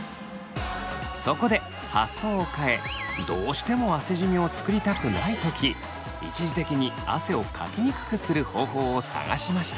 そこで発想を変えどうしても汗じみを作りたくない時一時的に汗をかきにくくする方法を探しました。